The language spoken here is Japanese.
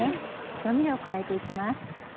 調味料を加えて行きます。